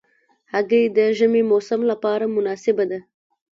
هګۍ د ژمي موسم لپاره مناسبه ده.